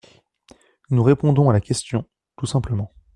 Nous répondons à la question, tout simplement.